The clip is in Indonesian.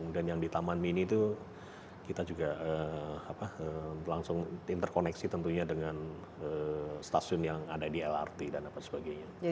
dan yang di taman mini itu kita juga langsung interkoneksi tentunya dengan stasiun yang ada di lrt dan apa sebagainya